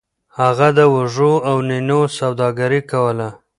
هغه د وږو او نینو سوداګري کوله.